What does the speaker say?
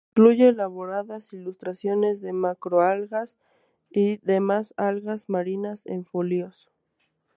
Incluye elaboradas ilustraciones de macroalgas y demás algas marinas en folios.